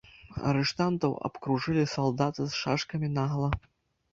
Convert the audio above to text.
Арыштантаў абкружылі салдаты з шашкамі нагала.